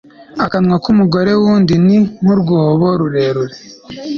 akanwa k'umugore w'undi ni nk'urwobo rurerure